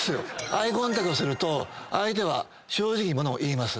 アイコンタクトすると相手は正直に物を言います。